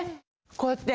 こうやって。